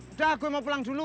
udah gue mau pulang dulu